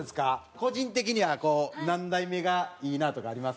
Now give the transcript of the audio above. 個人的には何代目がいいなとかあります？